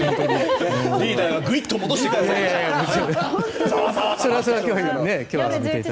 リーダーがグイっと戻してくださいました。